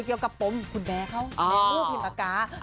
เกี่ยวกับผมคุณแม่เขาอ๋อแม่ผู้พิมพากาอ่า